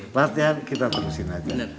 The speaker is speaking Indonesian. berarti kita terusin aja